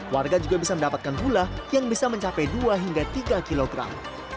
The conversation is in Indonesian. warga juga bisa mendapatkan gula yang bisa mencapai dua hingga tiga kilogram